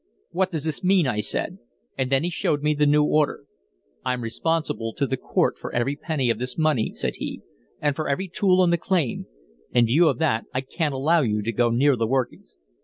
"'What does this mean?' I said. And then he showed me the new order. "'I'm responsible to the court for every penny of this money,' said he, 'and for every tool on the claim. In view of that I can't allow you to go near the workings.'